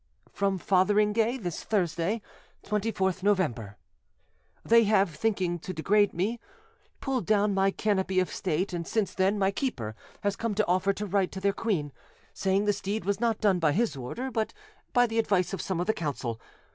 "From Fotheringay, this Thursday, 24th November. "They have, thinking to degrade me, pulled down my canopy of state, and since then my keeper has come to offer to write to their queen, saying this deed was not done by his order, but by the advice of some of the Council.